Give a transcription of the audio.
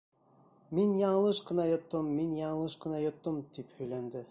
«Мин яңылыш ҡына йоттом, мин яңылыш ҡына йоттом», -тип һөйләнде.